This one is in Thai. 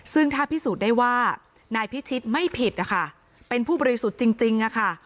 ซึ่งถ้าพิสูจน์ได้ว่านายพิชิตไม่ผิดนะคะเป็นผู้บริสุทธิ์จริงค่ะ